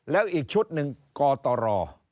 แล้วอีกชุดนึงก่อต่อรอ